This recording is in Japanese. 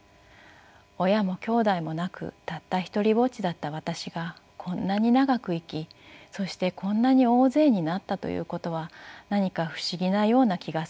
親もきょうだいもなくたった独りぼっちだった私がこんなに長く生きそしてこんなに大勢になったということは何か不思議なような気がする。